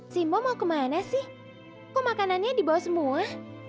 simo mau kemana sih kok makanannya dibawa semua